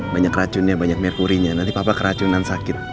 banyak racunnya banyak merkurinya nanti papa keracunan sakit